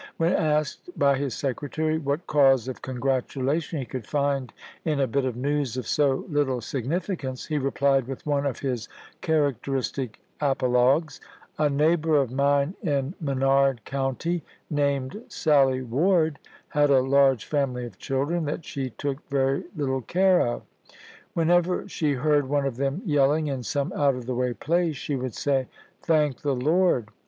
When asked by his secretary what cause of con gratulation he could find in a bit of news of so little significance, he replied with one of his char acteristic apologues :" A neighbor of mine in Menard County, named Sally Ward, had a large family of children that she took very little care of. Whenever she heard one of them yelling in some out of the way place she would say, ' Thank the Lord!